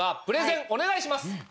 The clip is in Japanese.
プレゼンお願いします。